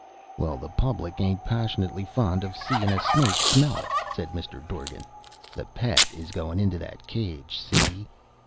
"Well, the public ain't pashnutly fond of seein' a snake smell it," said Mr. Dorgan. "The Pet is goin' into that cage see?"